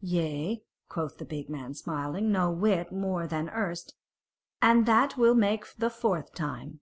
"Yea," quoth the big man smiling no whit more than erst, "and that will make the fourth time.